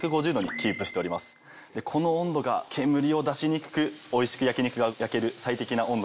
この温度が煙を出しにくくおいしく焼肉が焼ける最適な温度なんです。